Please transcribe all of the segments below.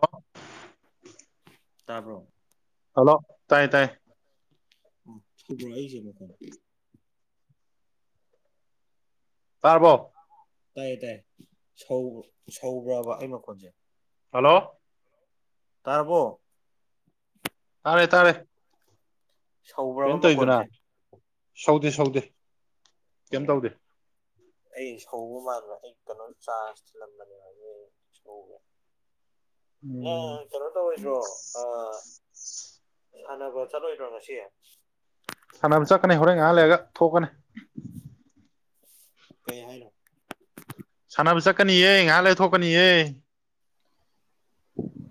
hello ꯇꯥꯕ꯭ꯔꯣ hello ꯇꯥꯏ ꯇꯥꯏ [unintelligible] ꯇꯔꯕꯣ ꯇꯥꯏꯌꯦ ꯇꯥꯏ ꯁꯧ ꯁꯧꯕ꯭ꯔꯕ ꯑꯩ ꯃꯈꯣꯟꯁꯦ ꯍꯜꯂꯣ ꯇꯥꯔꯕꯣ ꯇꯥꯔꯦ ꯇꯥꯔꯦ ꯁꯧꯕ꯭ꯔꯕ ꯀꯩꯅꯣ ꯇꯧꯔꯤꯗꯨꯅ ꯃꯈꯣꯟꯁꯦ ꯁꯧꯗꯦ ꯁꯧꯗꯦ ꯀꯩꯝ ꯑꯣ ꯇꯧꯗꯦ ꯑꯩ ꯁꯧꯕ ꯃꯥꯟꯕ ꯑꯩ ꯀꯩꯅꯣ ꯆꯥꯔꯖ ꯊꯤꯜꯂꯝꯕꯅꯦꯕ ꯑꯗꯨ ꯁꯧꯕ ꯎꯝ ꯅꯪ ꯀꯩꯅꯣ ꯇꯧꯔꯣꯏꯗ꯭ꯔꯣ ꯑꯥ ꯁꯥꯟꯅꯕ ꯆꯠꯂꯣꯏꯗ꯭ꯔꯣ ꯉꯁꯤ ꯁꯥꯟꯅꯕ ꯆꯠꯀꯅꯤ ꯍꯣꯔꯦꯟ ꯉꯥꯏꯍꯥꯛ ꯂꯩꯔꯒ ꯊꯣꯛꯀꯅꯤ ꯀꯩ ꯍꯥꯏꯅꯣ ꯁꯥꯟꯅꯕ ꯆꯠꯀꯅꯤꯍ ꯉꯥꯏꯍꯥꯛ ꯂꯩꯊꯣꯛꯀꯅꯤꯌꯦ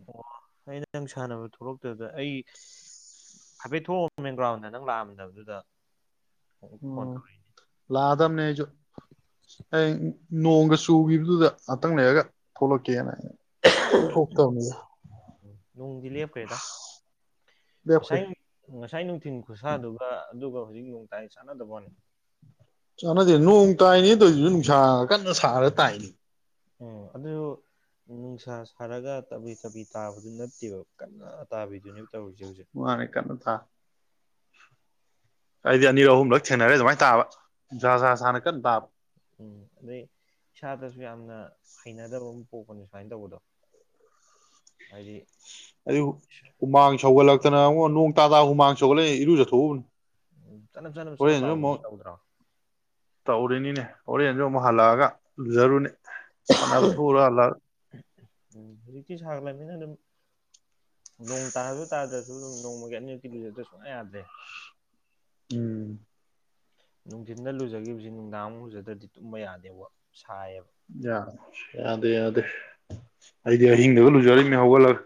ꯑꯣ ꯑꯩꯅ ꯅꯪ ꯁꯥꯟꯅꯕ ꯊꯣꯛꯂꯛꯇꯕꯗ ꯑꯩ ꯍꯥꯏꯐꯦꯠ ꯊꯣꯛ ꯃꯦꯟꯒ꯭ꯔꯥꯎꯟꯗ ꯅꯪ ꯂꯥꯛꯑꯝꯗꯕꯗꯨꯗ ꯐꯣꯟ ꯇꯧꯔꯛꯏꯅꯦ ꯂꯥꯛꯑꯗꯝ ꯅꯦ ꯑꯩꯁꯨ ꯑꯩ ꯅꯣꯡꯒ ꯆꯨꯈꯤꯕꯗꯨꯗ ꯉꯥꯛꯇꯪ ꯂꯩꯔꯒ ꯊꯣꯛꯂꯛꯀꯦꯅ ꯑ ꯊꯣꯛꯇꯝꯅꯤꯗ ꯅꯣꯡꯗꯤ ꯂꯦꯞꯈ꯭ꯔꯦꯗ ꯂꯦꯞꯈ꯭ꯔꯦ ꯉꯁꯥꯏ ꯉꯁꯥꯏ ꯅꯨꯡꯊꯤꯟ ꯈꯨꯠꯁꯥꯗꯨꯒ ꯑꯗꯨꯒ ꯍꯧꯖꯤꯛ ꯅꯣꯡ ꯇꯥꯏ ꯆꯥꯟꯅꯗꯕ꯭ꯋꯥꯅꯦ ꯆꯥꯟꯅꯗꯦ ꯅꯣꯡ ꯇꯥꯏꯅꯤ ꯇꯩꯏꯗꯨꯁꯨ ꯅꯨꯡꯁꯥ ꯀꯟꯅ ꯁꯥꯔꯒ ꯇꯥꯏꯅꯦ ꯑꯣ ꯑꯗꯨꯁꯨ ꯅꯨꯡꯁꯥ ꯁꯥꯔꯒ ꯇꯞꯕꯤ ꯇꯞꯕꯤ ꯇꯥꯕꯗꯨ ꯅꯠꯇꯦꯕ ꯀꯟꯅ ꯇꯥꯕꯤꯗꯨꯅꯦ ꯃꯥꯅꯤ ꯀꯟꯅ ꯇꯥ ꯑꯩꯗꯤ ꯑꯅꯤꯔꯛ ꯑꯍꯨꯝꯂꯛ ꯊꯦꯡꯅꯔꯦ ꯑꯗꯨꯃꯥꯏꯅ ꯇꯥꯕ ꯅꯨꯡꯁꯥ ꯁꯥ ꯁꯥꯅ ꯀꯟꯅ ꯇꯥꯕ ꯎꯝ ꯑꯩ ꯏꯁꯥꯗꯁꯨ ꯌꯥꯝꯅ ꯍꯩꯅꯗꯕ ꯑꯝ ꯄꯣꯛꯄꯅꯦ ꯁꯨꯃꯥꯏ ꯇꯧꯕꯗꯣ ꯍꯥꯏꯗꯤ ꯑꯗꯨ ꯍꯨꯃꯥꯡ ꯁꯧꯒꯠꯂꯛꯇꯅ ꯑꯕꯨꯡꯉꯣ ꯅꯣꯡ ꯇꯥ ꯇꯥ ꯍꯨꯃꯥꯡ ꯁꯧꯒꯠꯂꯛꯦ ꯏꯔꯨꯖꯠꯊꯣꯛꯎꯕꯅꯦ ꯎ ꯆꯠꯅꯞ ꯆꯠꯅꯞ ꯆꯠꯅꯞ ꯂꯥꯎꯕꯗꯤ ꯇꯧꯗ꯭ꯔꯣ ꯇꯧꯔꯤꯅꯤꯅꯦ ꯍꯣꯔꯦꯟꯦꯟꯁꯨ ꯑꯃꯨꯛ ꯍꯜꯂꯛꯑꯒ ꯂꯨꯖꯔꯨꯅꯤ ꯁꯥꯟꯅꯕ ꯊꯣꯛꯎꯔ ꯍꯜꯂꯛꯑꯒ ꯎꯝ ꯍꯧꯖꯤꯛꯇꯤ ꯁꯥꯒꯠ ꯂꯛꯃꯤꯅ ꯑꯗꯨꯝ ꯅꯣꯡ ꯇꯥꯔꯁꯨ ꯇꯥꯗ꯭ꯔꯁꯨ ꯑꯗꯨꯝ ꯅꯣꯡꯃꯒꯤ ꯑꯅꯤꯔꯛꯇꯤ ꯂꯨꯖꯗ ꯁꯨꯡꯌꯥ ꯌꯥꯗ꯭ꯔꯦ ꯎꯝ ꯅꯨꯡꯊꯤꯟꯗ ꯂꯨꯖꯒꯤꯈꯤꯕꯁꯤ ꯅꯨꯡꯗꯥꯡ ꯂꯨꯖꯗ꯭ꯔꯗꯤ ꯇꯨꯝꯕ ꯌꯥꯗꯦꯕ ꯁꯥꯏꯌꯦꯕ ꯌꯥ ꯌꯥꯗꯦ ꯌꯥꯗꯦ ꯑꯩꯗꯤ ꯑꯍꯤꯡꯗꯒ ꯂꯨꯖꯔꯤꯅꯦ ꯍꯧꯒꯠꯂꯒ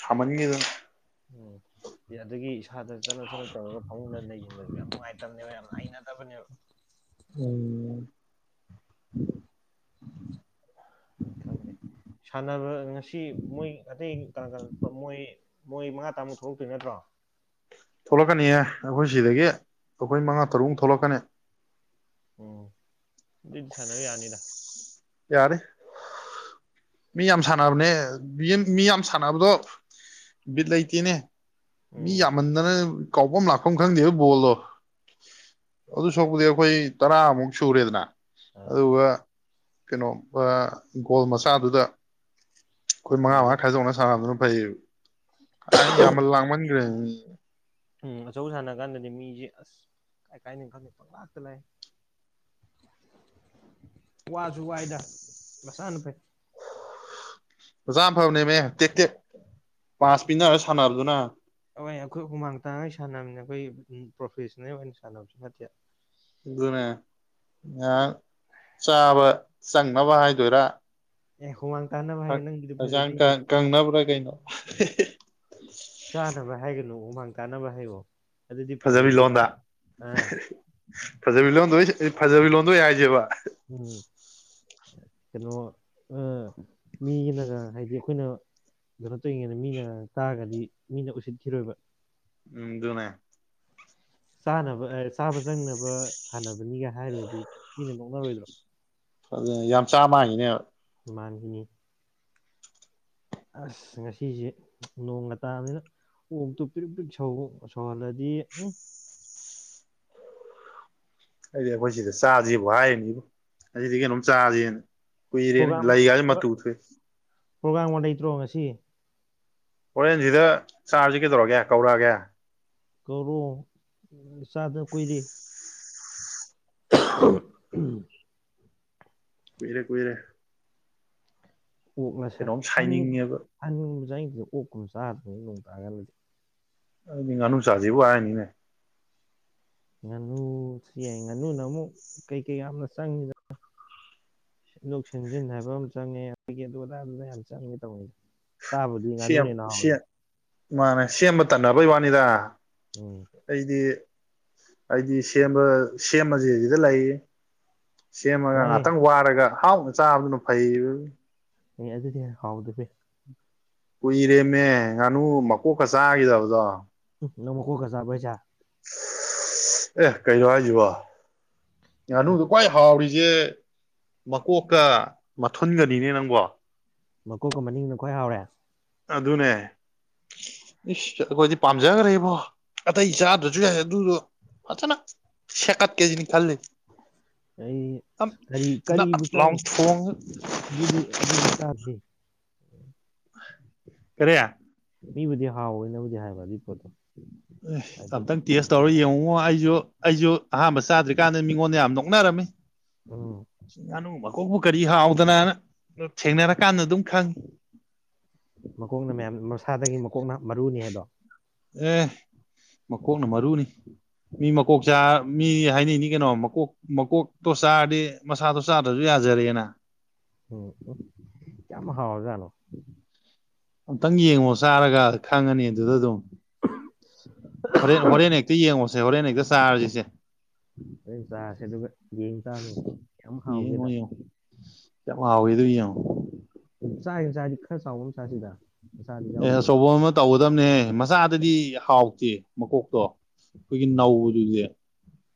ꯁꯥꯃꯟꯒꯤꯗꯅ ꯎꯝ ꯑꯗꯨꯗꯒꯤ ꯏꯁꯥꯗ ꯆꯠꯅꯞ ꯆꯠꯅꯞ ꯇꯧꯔꯒ ꯐꯃꯨꯡꯗ ꯂꯩꯁꯤꯟꯕꯁꯨ ꯌꯥꯝ ꯅꯨꯡꯉꯥꯏꯇꯕꯅꯦꯕ ꯌꯥꯝ ꯍꯩꯅꯗꯕꯅꯦꯕ ꯎꯝ ꯈꯪꯗꯦ ꯁꯥꯟꯅꯕ ꯉꯁꯤ ꯃꯣꯏ ꯑꯇꯩ ꯀꯅꯥ ꯀꯅꯥ ꯀ ꯃꯣꯏ ꯃꯣꯏ ꯃꯉꯥ ꯇꯔꯥꯃꯨꯛ ꯊꯣꯛꯂꯛꯇꯨꯏ ꯅꯠꯇ꯭ꯔꯣ ꯊꯣꯛꯂꯛꯀꯅꯤꯍ ꯑꯩꯈꯣꯏ ꯁꯤꯗꯒꯤ ꯑꯩꯈꯣꯏ ꯃꯉꯥ ꯇꯔꯨꯛꯃꯨꯛ ꯊꯣꯛꯂꯛꯀꯅꯤ ꯎꯝ ꯑꯗꯨꯏꯗꯤ ꯁꯥꯟꯅꯕ ꯌꯥꯅꯤꯗ ꯌꯥꯔꯦ ꯃꯤ ꯌꯥꯝ ꯁꯥꯟꯅꯕꯅꯦ ꯃꯤ ꯌꯥꯝ ꯁꯥꯟꯅꯕꯗꯣ ꯕꯤꯠ ꯂꯩꯇꯦꯅꯦ ꯃꯤ ꯎꯝ ꯌꯥꯝꯃꯟꯗꯅ ꯀꯥꯎꯐꯝ ꯂꯥꯛꯐꯝ ꯈꯪꯗꯦꯕ ꯕꯣꯜꯗꯣ ꯑꯗꯨ ꯁꯔꯨꯛꯄꯨꯗꯤ ꯑꯩꯈꯣꯏ ꯇꯔꯥꯃꯨꯛ ꯁꯨꯔꯦꯗꯅ ꯑꯥ ꯑꯗꯨꯒ ꯀꯩꯅꯣ ꯒꯣꯜ ꯃꯆꯥꯗꯨꯗ ꯑꯩꯈꯣꯏ ꯍꯣꯏ ꯃꯉꯥ ꯃꯉꯥ ꯑꯗꯨꯅ ꯈꯥꯏꯗꯣꯛꯅ ꯁꯥꯥꯟꯕꯗꯨꯅ ꯐꯩ ꯀꯥꯏ ꯌꯥꯝꯃꯟ ꯂꯥꯡꯃꯟꯈ꯭ꯔꯦ ꯎꯝ ꯑꯆꯧ ꯁꯥꯟꯅ ꯀꯥꯟꯗꯗꯤ ꯃꯤꯁꯦ ꯑꯁ ꯀꯥꯏ ꯀꯥꯏꯗꯩꯅꯣ ꯈꯪꯗꯦ ꯄꯪ ꯂꯥꯛꯇ ꯂꯥꯛꯑꯦ [unintelligible] ꯋꯥꯖꯨ ꯋꯥꯏꯗ ꯃꯆꯥꯅ ꯐꯩ ꯑꯣꯖꯥ ꯑꯐꯕꯅꯦꯃꯦ ꯇꯦꯛ ꯇꯦꯛ ꯄꯥꯁ ꯄꯤꯅꯔ ꯁꯥꯟꯅꯕꯗꯨꯅ ꯍ ꯑꯩꯈꯣꯏ ꯍꯨꯃꯥꯡ ꯇꯥꯡꯉꯩ ꯁꯥꯟꯅꯕꯅꯤ ꯑꯩꯈꯣꯏ ꯄ꯭ꯔꯣꯐꯦꯁꯟꯅꯦꯜ ꯑꯣꯏꯅ ꯁꯥꯟꯅꯕꯁꯨ ꯅꯠꯇꯦ ꯑꯗꯨꯅꯦ ꯉꯥꯛ ꯆꯥꯕ ꯆꯪꯅꯕ ꯍꯥꯏꯗꯣꯏꯔꯥ ꯑꯦ ꯍꯨꯃꯥꯡ ꯇꯥꯅꯕ ꯍꯥꯏꯌꯣ ꯅꯪꯒꯤꯗꯤ ꯐꯖꯗꯦꯍꯦ [unintelligible] ꯀꯪꯅꯕ꯭ꯔꯥ ꯀꯩꯅꯣ ꯆꯥꯅꯕ ꯍꯥꯏꯒꯅꯨ ꯍꯨꯃꯥꯡ ꯇꯥꯅꯕ ꯍꯥꯏꯌꯣ ꯑꯗꯨꯗꯤ ꯐꯖꯕꯤ ꯐꯖꯗꯦ ꯂꯣꯟꯗ ꯑꯥ ꯐꯖꯕꯤ ꯂꯣꯟꯗꯣꯏ ꯐꯖꯕꯤ ꯂꯣꯟꯗꯣꯏ ꯍꯥꯏꯁꯦꯕ ꯎꯝ ꯀꯩꯅꯣ ꯃꯤꯒꯤꯅꯒ ꯍꯥꯏꯗꯤ ꯑꯩꯈꯣꯏꯅ ꯀꯩꯅꯣ ꯇꯧꯔꯤꯉꯩꯅ ꯃꯤꯅ ꯇꯥꯔꯒꯗꯤ ꯃꯤꯅ ꯎꯁꯤꯠꯈꯤꯔꯣꯏꯕ ꯎꯝ ꯑꯗꯨꯅꯦ ꯆꯥꯅꯕ ꯆꯥꯕ ꯆꯪꯅꯕ ꯁꯥꯟꯅꯕꯅꯤꯒ ꯍꯥꯏꯔꯨꯔꯗꯤ ꯃꯤꯅ ꯅꯣꯛꯅꯔꯣꯏꯗ꯭ꯔꯣ ꯐꯖ ꯌꯥꯝ ꯆꯥ ꯃꯥꯟꯒꯤꯅꯦꯕ ꯃꯥꯒꯤꯅꯤ ꯑꯁ ꯉꯁꯤꯁꯦ ꯅꯣꯡꯒ ꯇꯥꯕꯅꯤꯅ ꯑꯣꯛꯇꯣ ꯄ꯭ꯔꯤꯛ ꯄ꯭ꯔꯤꯛ ꯁꯧ ꯁꯧꯍꯜꯂꯗꯤ ꯎ ꯑꯩꯗꯤ ꯑꯩꯈꯣꯏ ꯁꯤꯗ ꯆꯥꯖꯦꯕꯨ ꯍꯥꯏꯔꯤꯅꯤꯕꯣ ꯉꯁꯤꯗꯤ ꯀꯩꯅꯣꯝ ꯆꯥꯥꯁꯦꯅ ꯀꯨꯢꯔꯦꯅꯦ ꯂꯩ ꯀꯥꯁꯦ ꯃꯇꯨ ꯊꯣꯛꯑꯦ ꯄ꯭ꯔꯣꯒꯥꯝꯒꯥ ꯂꯩꯇ꯭ꯔꯣ ꯉꯁꯤ ꯍꯣꯔꯦꯟ ꯁꯤꯗ ꯆꯥꯔꯁꯤ ꯀꯩꯗꯧꯔꯒꯦ ꯀꯧꯔꯛꯑꯒꯦ ꯀꯧꯔꯣ ꯆꯥꯗ ꯀꯨꯏꯔꯦ ꯎꯝ ꯀꯨꯢꯔꯦ ꯀꯨꯢꯔꯦ ꯑꯣꯛꯂ ꯁꯟ ꯁꯟ ꯁꯥꯏꯅꯤꯡꯉꯦꯕ ꯁꯟꯒꯨꯝꯕꯁꯤꯗꯤ ꯆꯥꯅꯤꯡꯗꯦ ꯑꯣꯛꯀꯨꯝꯕ ꯆꯥꯒꯗꯕꯅꯤ ꯅꯣꯡ ꯇꯥꯔꯀꯥꯟꯗꯗꯤ ꯑꯗꯨꯗꯤ ꯉꯥꯅꯨ ꯆꯁꯤꯕꯨ ꯍꯥꯏꯅꯤꯅꯦ ꯉꯥꯅꯨꯁꯨ ꯌꯥꯏ ꯉꯥꯅꯨꯅ ꯑꯃꯨꯛ ꯀꯩꯀꯩ ꯌꯥꯝꯅ ꯆꯪꯉꯤꯗ [unintelligible] ꯍꯥꯏꯕ ꯑꯃ ꯆꯪꯉꯦ ꯀꯩꯀꯥ ꯑꯗꯨ ꯑꯗꯥ ꯌꯥꯝ ꯆꯪꯉꯦ ꯇꯧꯕꯅꯤ ꯆꯥꯕꯗꯤ ꯁꯦꯝ ꯉꯥꯅꯨꯅ ꯍꯦꯟꯅ ꯁꯦꯝ ꯍꯥꯎꯕꯅꯦ ꯃꯥꯅꯦ ꯁꯦꯝꯕ ꯇꯟꯅꯕꯩ ꯋꯥꯅꯤꯗ ꯎꯝ ꯑꯩꯗꯤ ꯑꯩꯗꯤ ꯁꯦꯝꯕ ꯁꯦꯝꯃꯖꯤꯗ ꯂꯩꯌꯦ ꯁꯦꯝꯃꯒ ꯌꯥꯏꯌꯦ ꯉꯥꯛꯇꯪ ꯋꯥꯔꯒ ꯍꯥꯎꯅ ꯆꯥꯕꯗꯨꯅ ꯐꯩ ꯑꯦ ꯑꯗꯨꯅ ꯍꯦꯟꯅ ꯍꯥꯎꯕꯅꯦ ꯀꯨꯏꯔꯦꯝꯃꯦ ꯉꯥꯅꯨ ꯃꯀꯣꯛꯀ ꯆꯥꯈꯤꯗꯕꯗꯣ ꯅꯪ ꯃꯀꯣꯛꯀ ꯆꯥꯕ꯭ꯔ ꯍꯥꯢꯁꯦ ꯑꯦ ꯀꯩꯅꯣ ꯍꯥꯏꯁꯤꯕ ꯉꯥꯅꯨꯗꯣ ꯃꯀꯣꯛ ꯈ꯭ꯋꯥꯏ ꯍꯥꯎꯔꯤꯁꯤ ꯁꯦ ꯃꯀꯣꯛꯀ ꯃꯊꯨꯟꯒꯅꯤꯅꯦ ꯅꯪꯕꯣ ꯃꯀꯣꯛꯀ ꯃꯅꯤꯡꯅ ꯈ꯭ꯋꯥ ꯍꯥꯎꯔꯦ ꯑꯗꯨꯅꯦ ꯏꯁꯁ ꯑꯩꯈꯣꯏꯗꯤ ꯄꯥꯝꯖꯈ꯭ꯔꯦꯕꯣ ꯑꯇꯩ ꯆꯥꯗ꯭ꯔꯁꯨ ꯌꯥꯏ ꯑꯗꯨꯗꯣ ꯐꯖꯅ ꯁꯦꯀꯠꯀꯦ ꯁꯤꯅꯤ ꯈꯜꯂꯤꯝ ꯑꯩ ꯑ ꯅꯞ ꯀꯔꯤ ꯅꯞ ꯀꯔꯤꯕꯨ ꯂꯥꯎꯅ ꯆꯥꯏꯅꯣ ꯊꯣꯡꯉꯒ ꯑꯗꯨꯗꯤ ꯑꯗꯨꯗꯤ ꯆꯥꯗꯦ ꯀꯌꯤ ꯃꯤꯕꯨꯗꯤ ꯍꯥꯎꯋꯦꯅꯕꯨꯗꯤ ꯍꯥꯏꯋ ꯑꯦ ꯑꯝꯇꯪ ꯇꯦꯁ ꯇꯧꯔ ꯌꯦꯡꯉꯨꯉꯣ ꯑꯩꯁꯨ ꯑꯩꯁꯨ ꯑꯍꯝꯕ ꯆꯥꯗ꯭ꯔꯤꯀꯥꯟꯗ ꯃꯤꯉꯣꯟꯗ ꯌꯥꯝ ꯅꯣꯛꯅꯔꯝꯃꯤ ꯎꯝ ꯉꯥꯅꯨ ꯀꯣꯛꯕꯨ ꯀꯔꯤ ꯍꯥꯎꯗꯅꯅ ꯊꯦꯡꯅꯔꯀꯥꯟꯗ ꯑꯗꯨꯝ ꯈꯪꯉꯤ ꯃꯀꯣꯛꯅ ꯃꯌꯥꯝ ꯃꯁꯥꯗꯒꯤ ꯃꯀꯣꯛꯅ ꯃꯔꯨꯅꯤ ꯍꯥꯏꯗꯣ ꯑꯦ ꯃꯀꯣꯛꯅ ꯃꯔꯨꯅꯤ ꯃꯤ ꯃꯀꯣꯛ ꯆꯥ ꯃꯤ ꯍꯥꯏꯅꯩꯅꯤ ꯀꯩꯅꯣ ꯃꯀꯣꯛ ꯃꯀꯣꯛꯇꯣ ꯆꯥꯔꯗꯤ ꯃꯁꯥꯗꯣ ꯆꯥꯗ꯭ꯔꯁꯨ ꯌꯥꯔꯦ ꯖꯔꯦꯅꯥ ꯎꯝ ꯎ ꯀꯌꯥꯝ ꯍꯥꯎꯔꯖꯥꯅꯣ ꯑꯝꯇꯪ ꯌꯦꯡꯉꯣ ꯆꯥꯔꯒ ꯈꯪꯉꯅꯤ ꯑꯗꯨꯗ ꯑꯗꯨꯝ ꯍꯣꯔꯦꯟ ꯍꯣꯔꯦꯟ ꯍꯦꯛꯇ ꯌꯦꯡꯉꯣꯁꯦ ꯍꯣꯔꯦꯟ ꯍꯦꯛꯇ ꯆꯥꯔꯁꯤꯁꯦ ꯑ ꯆꯥꯁꯦ ꯑꯗꯨꯒ ꯌꯦꯡ ꯇꯥꯃꯤ ꯀꯌꯥꯝ ꯍꯥꯎꯒꯦꯗ ꯀ꯭ꯌꯥꯝ ꯍꯥꯎꯋꯤꯗꯣ ꯌꯦꯡꯎ ꯆꯥꯒꯦꯅ ꯆꯥꯔꯗꯤ ꯈꯔ ꯆꯥꯎꯕ ꯑꯃ ꯆꯁꯤꯗ ꯑꯦ ꯑꯆꯧꯕ ꯑꯃ ꯇꯧꯒꯗꯝꯅꯦꯍꯦ ꯃꯆꯥꯗꯗꯤ ꯍꯥꯎꯇꯦ ꯃꯀꯣꯛꯇꯣ ꯑꯩꯈꯣꯏꯒꯤ ꯎꯝ ꯅꯧꯕꯗꯨꯗꯤ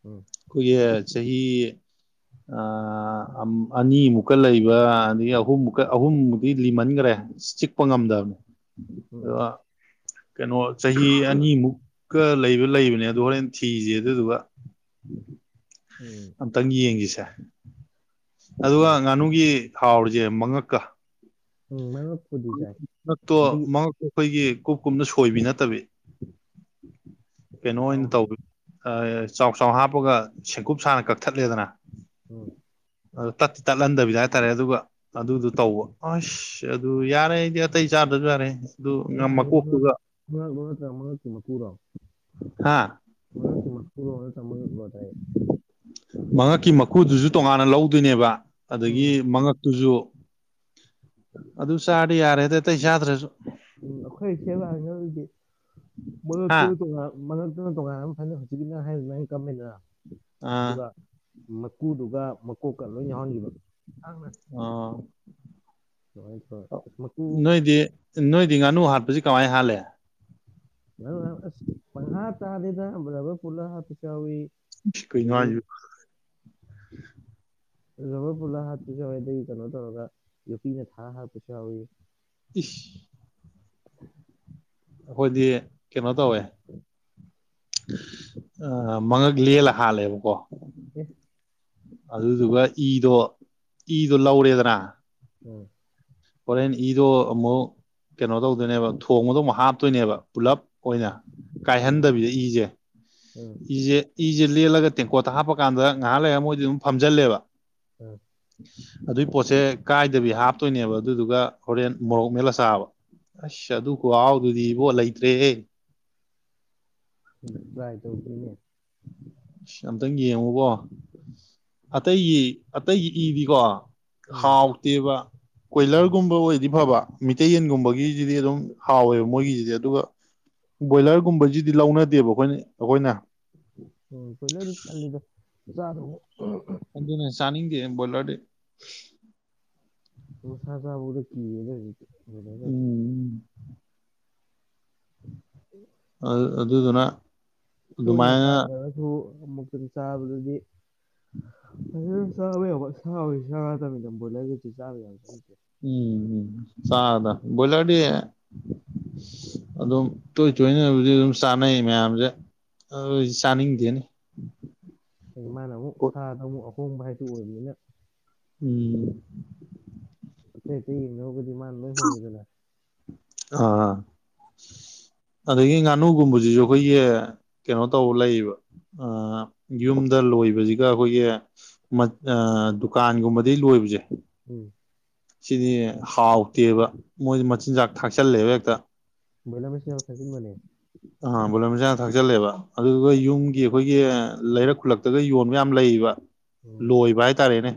ꯎꯝ ꯑꯩꯈꯣꯏꯒꯤ ꯆꯍꯤ ꯑꯥ ꯑꯅꯤꯃꯨꯛꯀ ꯂꯩꯕ ꯑꯗꯒꯤ ꯑꯍꯨꯝꯃꯨꯛꯀ ꯑꯍꯨꯝꯕꯨꯗꯤ ꯂꯤꯃꯟꯒ꯭ꯔꯦ ꯆꯤꯛꯄ ꯉꯝꯗꯕꯅꯦ ꯎꯝ ꯑ ꯀꯩꯅꯣ ꯆꯍꯤ ꯑꯅꯤꯃꯨꯛ ꯀ ꯂꯩꯕ ꯂꯩꯕꯅꯦ ꯑꯗꯨ ꯍꯣꯔꯦꯟ ꯊꯤꯁꯤ ꯑꯗꯨꯗꯨꯒ ꯎꯝ ꯑꯝꯇꯪ ꯌꯦꯡꯁꯤꯁꯦ ꯑꯗꯨꯒ ꯇꯧ ꯉꯥꯅꯨꯒꯤ ꯍꯥꯎꯔꯤꯁꯦ ꯃꯉꯛꯀ ꯎꯝ ꯃꯉꯛ ꯇꯣ ꯃꯉꯛꯇꯣ ꯑꯩꯈꯣꯏꯒꯤ ꯀꯨꯞ ꯀꯨꯞꯅ ꯁꯣꯏꯕꯤ ꯅꯠꯇꯕꯤ ꯀꯩꯅꯣ ꯑꯣꯏꯅ ꯆꯥꯎꯅ ꯇꯧꯕꯤ ꯆꯥꯎ ꯆꯥꯎ ꯍꯥꯞꯄꯒ ꯁꯦꯡꯀꯨꯞ ꯁꯥꯅ ꯀꯛꯊꯠꯂꯦꯗꯅ ꯍꯣꯢ ꯑꯗꯨ ꯇꯠꯇꯤ ꯇꯠꯍꯟꯗꯕꯤꯗ ꯍꯥꯏꯇꯥꯔꯦ ꯑꯗꯨꯒ ꯑꯗꯨꯗꯨ ꯇꯧꯕ ꯑꯥꯏꯁ ꯑꯗꯨ ꯌꯥꯔꯦ ꯑꯩꯗꯤ ꯑꯇꯩ ꯆꯥꯗ꯭ꯔꯁꯨ ꯌꯥꯔꯦꯍꯦ ꯅꯪ ꯍꯥꯏꯁꯦ ꯃꯉꯛ ꯃꯉꯛꯂꯣ ꯅꯇ꯭ꯔꯒ ꯃꯉꯛꯀꯤ ꯃꯀꯨꯔꯣ ꯍꯥ ꯃꯉꯛꯀꯤ ꯃꯀꯨꯔꯣ ꯅꯇ꯭ꯔꯒ ꯃꯉꯛꯂꯣ ꯇꯥꯢ ꯃꯉꯛꯀꯤ ꯃꯀꯨꯗꯨꯁꯨ ꯇꯣꯉꯥꯟꯅ ꯂꯧꯗꯣꯏꯅꯦꯕ ꯎꯝ ꯑꯗꯒꯤ ꯃꯉꯛꯇꯨꯁꯨ ꯑꯗꯨ ꯆꯥꯔꯗꯤ ꯌꯥꯔꯦꯗ ꯑꯇꯩ ꯆꯥꯗ꯭ꯔꯁꯨ ꯎꯝ ꯑꯩꯈꯣꯏ ꯁꯦꯝꯕꯀꯥꯜꯗꯤ ꯍꯥ ꯃꯉꯛꯇꯨꯅ ꯇꯣꯉꯥꯟ ꯃꯉꯛ ꯑꯗꯨ ꯇꯣꯉꯥꯟꯅ ꯐꯖꯅ ꯍꯧꯖꯤꯛꯀꯤ ꯅꯪ ꯍꯥꯏ ꯑꯗꯨꯃꯥꯏꯅ ꯑꯩ ꯀꯛꯑꯝꯃꯦꯗꯅ ꯑꯥ ꯃꯀꯨꯗꯨꯒ ꯃꯀꯣꯛꯀ ꯂꯣꯏ ꯌꯥꯎꯍꯟꯕ ꯑꯣ ꯃꯀꯨ ꯅꯣꯏꯗꯤ ꯅꯣꯏꯗꯤ ꯉꯥꯅꯨ ꯍꯥꯠꯄꯁꯤ ꯀꯃꯥꯏ ꯍꯥꯠꯂꯤ ꯂꯕꯔ ꯄꯨꯜꯂ ꯍꯥꯠꯄꯁꯨ ꯌꯥꯎꯏ ꯀꯩꯅꯣ ꯍꯥꯏꯁꯤꯕꯣ ꯔꯕꯔ ꯄꯨꯜꯂꯥ ꯍꯥꯠꯄꯁꯨ ꯌꯥꯎꯋꯤ ꯑꯗꯩ ꯀꯩꯅꯣ ꯇꯧꯔꯒ ꯌꯣꯠꯄꯤꯅ ꯊꯥꯔ ꯍꯥꯠꯄꯁꯨ ꯌꯥꯎꯋꯤ ꯏꯤꯁ ꯑꯩꯈꯣꯏꯗꯤ ꯀꯩꯅꯣ ꯇꯧꯋꯦ ꯃꯉꯛ ꯂꯦꯜꯂ ꯍꯥꯠꯂꯦꯕꯀꯣ [inaudible] ꯑꯗꯨꯗꯨꯒ ꯏꯗꯣ ꯏꯗꯣ ꯂꯧꯔꯦꯗꯅ ꯎꯝ ꯍꯣꯔꯦꯟ ꯏꯗꯣ ꯑꯃꯨꯛ ꯀꯩꯅꯣ ꯇꯧꯗꯣꯏꯅꯦꯕ ꯊꯣꯡꯕꯗꯣ ꯑꯃꯨꯛ ꯍꯥꯞꯇꯣꯏꯅꯦꯕ ꯄꯨꯂꯞ ꯑꯣꯏꯅ ꯑꯣ ꯀꯥꯏꯍꯟꯗꯕꯤꯗ ꯏꯖꯦ ꯎꯝ ꯏꯖꯦ ꯏꯁꯖꯦ ꯂꯦꯜꯂꯒ ꯇꯦꯡꯀꯣꯠꯇ ꯍꯥꯞꯄꯀꯥꯟꯗ ꯉꯥꯏꯍꯥꯛ ꯂꯩꯔ ꯃꯣꯏꯗꯤ ꯑꯗꯨꯝ ꯐꯝꯖꯜꯂꯦꯕ ꯑꯥ ꯑꯗꯨꯏ ꯄꯣꯠꯁꯦ ꯀꯥꯏꯗꯕꯤ ꯍꯥꯞꯇꯨꯏꯅꯦꯕ ꯑꯗꯨꯗꯨꯒ ꯍꯣꯔꯦꯟ ꯃꯣꯔꯣꯛ ꯃꯦꯠꯂꯥ ꯆꯥꯕ ꯑꯁ ꯑꯗꯨ ꯈꯨꯍꯥꯎꯗꯨꯗꯤ ꯏꯕꯣ ꯂꯩꯇ꯭ꯔꯦꯍꯦ ꯇ꯭ꯔꯥꯏ ꯇꯧꯒꯦꯅꯦ ꯑꯝꯇꯪ ꯌꯦꯡꯉꯨꯕꯣ ꯑꯇꯩꯒꯤ ꯑꯇꯩꯒꯤ ꯏꯗꯤꯀꯣ ꯎꯝ ꯍꯥꯎꯇꯦꯕ ꯎꯝ ꯀꯣꯏꯂ꯭ꯔꯒꯨꯝꯕ ꯑꯣꯏꯗꯤ ꯐꯕ ꯃꯤꯇꯩꯩ ꯌꯦꯟꯒꯨꯝꯕꯒꯤꯖꯤꯗꯤ ꯑꯗꯨꯝ ꯍꯥꯎꯋꯦꯕ ꯃꯣꯏꯒꯤꯖꯤꯗꯤ ꯑꯗꯨꯒ ꯕꯣꯏꯂꯔꯒꯨꯝꯕꯖꯤꯗꯤ ꯂꯧꯅꯗꯦꯕ ꯑꯈꯣꯏꯅ ꯑꯈꯣꯏꯅ ꯑꯝ ꯀꯣꯏꯂ꯭ꯔꯗꯤ ꯇꯜꯂꯤꯗ ꯆꯥꯗꯧꯒ ꯑꯍꯝ ꯑꯗꯨꯅ ꯆꯥꯅꯤꯡꯗꯦ ꯕꯣꯏꯂ꯭ꯔꯗꯤ ꯃꯁꯥ ꯆꯥꯕꯕꯣꯛ ꯀꯤꯔꯦꯗ ꯍꯧꯖꯤꯛ ꯕꯣꯏꯂ꯭ꯔꯒꯗꯤ ꯎꯝ ꯑꯗꯨ ꯑꯗꯨꯗꯨꯅ ꯇꯣꯏꯅ ꯑꯗꯨꯃꯥꯏꯅ ꯆꯥꯗ꯭ꯔꯒꯁꯨ ꯑꯃꯨꯛꯇ ꯆꯥꯕꯗꯗꯤ [unintelligible] ꯎꯝ ꯆꯗ ꯕꯣꯏꯂ꯭ꯔꯗꯤ ꯑꯗꯨꯝ ꯇꯣꯏ ꯇꯣꯏꯅꯕꯨꯗꯤ ꯑꯗꯨꯝ ꯆꯥꯅꯩ ꯃꯌꯥꯝꯖꯦ ꯑ ꯆꯥꯅꯤꯡꯗꯦꯅꯦ ꯑ ꯃꯥꯅ ꯑꯃꯨꯛ ꯁꯥꯗ ꯑꯃꯨꯛ ꯑꯍꯣꯡꯕ ꯍꯥꯏꯗꯨ ꯑꯣꯏꯕꯅꯤꯅ ꯎꯝ ꯑꯇꯩ ꯑꯇꯩ ꯍꯦꯡꯅꯔꯨꯒꯗꯤ ꯃꯅꯥ ꯂꯣꯏ ꯍꯣꯡꯉꯤꯗꯅ ꯑꯥ ꯑꯗꯒꯤ ꯉꯥꯅꯨꯒꯨꯝꯕꯖꯤꯖꯨ ꯑꯈꯣꯏꯒꯤ ꯀꯩꯅꯣ ꯇꯧ ꯂꯩꯕ ꯑ ꯌꯨꯝꯗ ꯂꯣꯏꯕꯖꯤꯒ ꯑꯈꯣꯏꯒꯤ ꯃꯠ ꯑ ꯗꯨꯀꯥꯟꯒꯨꯝꯕꯗꯩ ꯂꯣꯏꯕꯖꯦ ꯎꯝ ꯁꯤꯗꯤ ꯍꯥꯎꯇꯦꯕ ꯃꯣꯏꯗꯤ ꯃꯆꯤꯟꯖꯥꯛ ꯊꯥꯛꯆꯜꯂꯦꯕ ꯍꯦꯛꯇ ꯕꯣꯏꯂ꯭ꯔ ꯃꯆꯤꯟꯖꯥꯛ ꯊꯥꯖꯤꯟꯕꯅꯦ ꯑꯥ ꯕꯣꯂ꯭ꯔ ꯃꯆꯥꯟꯖꯥꯛ ꯊꯥꯛꯆꯜꯂꯦꯕ ꯑꯗꯨꯗꯨꯒ ꯌꯨꯝꯒꯤ ꯑꯩꯈꯣꯏꯒꯤ ꯂꯩꯔꯛ ꯈꯨꯜꯂꯛꯇꯒ ꯌꯣꯟꯕ ꯌꯥꯝ ꯂꯩꯕ ꯎꯝ ꯂꯣꯏꯕ ꯍꯥꯏꯇꯥꯔꯦꯅꯦ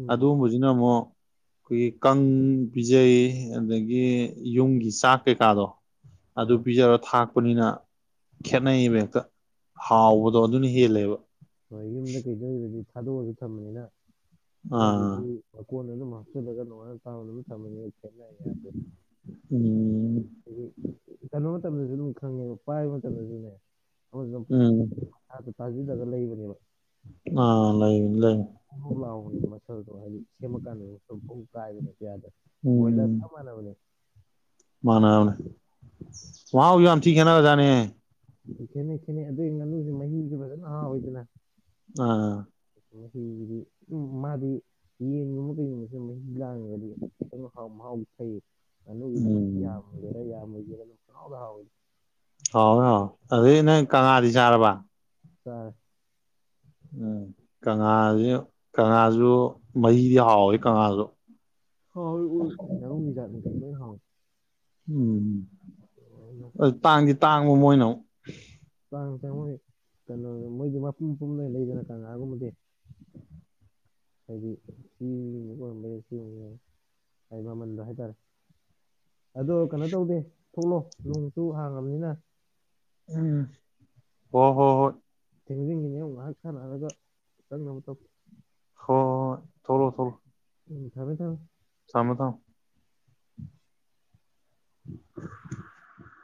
ꯎꯝ ꯑꯗꯨꯒꯨꯝꯕꯖꯤꯅ ꯑꯃꯨꯛ ꯑꯩꯈꯣꯏꯒꯤ ꯀꯪ ꯄꯤꯖꯩ ꯑꯗꯒꯤ ꯌꯨꯝꯒꯤ ꯆꯥꯛ ꯀꯩꯀꯥꯗꯣ ꯑ ꯑꯗꯨ ꯄꯤꯖꯔ ꯊꯥꯛꯄꯅꯤꯅ ꯈꯦꯠꯅꯩꯌꯦꯕ ꯍꯦꯛꯇ ꯍꯥꯎꯕꯗꯣ ꯎꯝ ꯑꯗꯨꯅ ꯍꯦꯜꯂꯦꯕ ꯊꯥꯗꯣꯛꯑꯖꯨ ꯊꯝꯃꯅꯤꯅ ꯑꯥ ꯑꯃꯗꯨꯒꯤ ꯃꯀꯣꯟꯗ ꯑꯗꯨꯝ ꯍꯥꯞꯆꯜꯂꯒ ꯅꯣꯡꯉꯥꯟ ꯍꯅ ꯁꯖꯅꯤ ꯏꯦꯅꯌꯦꯦ ꯎꯝ ꯆꯩꯅꯣ [unintelligible] ꯑꯃꯗꯨꯖꯨ ꯑꯗꯨꯝ ꯈꯪꯉꯦꯕ ꯄꯥꯏꯕ ꯃꯇꯝꯗꯖꯨꯅꯦ ꯑꯃꯗꯨꯅ ꯎꯝ ꯃꯁꯥꯁꯨ ꯇꯥꯖꯤꯜꯂꯒ ꯂꯩꯕꯅꯦꯕ ꯑꯥ ꯂꯩꯕꯅꯤ ꯂꯩꯕꯅꯤ ꯕꯨꯕꯨ ꯂꯥꯎꯕꯅꯦ ꯃꯁꯜꯗꯣ ꯍꯥꯏꯗꯤ ꯁꯦꯝꯃꯛꯀꯥꯟꯅꯦ ꯄꯥꯏꯕꯗ ꯍꯦꯇ ꯌꯥꯗꯕꯅꯦ ꯕꯣꯏꯂ꯭ꯔ ꯎꯝ ꯆꯞ ꯃꯥꯟꯅꯕꯅꯤ ꯃꯥꯟꯅꯦ ꯃꯍꯥꯎꯖꯨ ꯌꯥꯝꯊꯤ ꯈꯦꯠꯅꯒ꯭ꯔꯖꯥꯠꯅꯦ ꯈꯦꯠꯅꯩ ꯈꯦꯠꯅꯩ ꯑꯗꯨꯏ ꯉꯥꯅꯨꯖꯦ ꯃꯍꯤꯖꯨ ꯐꯖꯅ ꯍꯥꯎꯋꯤꯗꯅ ꯑꯥ ꯃꯍꯤꯖꯤꯗꯤ ꯎꯝ ꯃꯥꯗꯤ ꯌꯦꯟꯒꯨꯝꯕ ꯀꯩꯒꯨꯝꯕꯖꯦ ꯃꯍꯤ ꯂꯥꯡ ꯍꯥꯎ ꯐꯩ [unintelligible] ꯉꯥꯅꯨꯒꯤꯗꯤ ꯃꯍꯤ ꯎꯝ ꯌꯥꯝꯒꯦꯔꯥ ꯌꯥꯝꯃꯣꯏꯒꯦꯔꯥ ꯑꯗꯨꯝ ꯏꯍꯥꯎꯗ ꯍꯥꯎꯏ ꯍꯥꯎꯋꯦ ꯍꯥꯎꯋꯦ ꯑꯗꯨꯗꯩ ꯅꯪ ꯀꯪꯉꯥꯗꯤ ꯆꯥꯔꯕ ꯆꯥꯔꯦ ꯎꯝ ꯀꯪꯉꯥꯖꯨ ꯀꯪꯉꯥꯖꯨ ꯃꯍꯤꯗꯤ ꯍꯥꯎꯋꯦ ꯀꯪꯉꯥꯖꯨ ꯍꯥꯎ ꯎ ꯉꯥꯅꯨꯒꯤ ꯖꯥꯠ ꯃꯈꯩ ꯂꯣꯏ ꯍꯥꯎꯏ ꯎꯝ ꯑ ꯇꯥꯡꯗꯤ ꯇꯥꯡꯕ ꯃꯣꯏꯅꯃꯨꯛ ꯇꯥꯡ ꯇꯉꯣꯏ ꯀꯩꯅꯣ ꯃꯣꯏꯗꯤ ꯃꯄꯨꯝ ꯄꯨꯝꯅ ꯂꯩꯗꯅ ꯀꯪꯉꯥꯒꯨꯝꯕꯗꯤ ꯍꯥꯏꯗꯤ ꯁꯤ ꯋꯥꯝꯕꯁꯤ [unintelligible] ꯍꯥꯏ ꯃꯃꯟꯗꯣ ꯍꯥꯏꯇꯔꯦ ꯑꯗꯣ ꯀꯩꯅꯣ ꯇꯧꯗꯦ ꯊꯣꯛꯂꯣ ꯅꯣꯡꯁꯨ ꯍꯥꯡꯉꯕꯅꯤꯅ ꯎꯝ ꯍꯣ ꯍꯣ ꯍꯣꯏ ꯊꯦꯡꯖꯤꯟꯈꯤꯅꯦ ꯑꯃꯨ ꯉꯥꯏꯍꯥꯛ ꯁꯥꯟꯅꯔꯒ ꯆꯪꯅꯕ ꯇꯧ ꯍꯣ ꯍꯣꯏ ꯊꯣꯛꯂꯣ ꯊꯣꯛꯂꯣ ꯎꯝ ꯊꯝꯃꯦ ꯊꯝꯃꯦ ꯊꯝꯃꯣ ꯊꯝꯃꯣ [inaudible]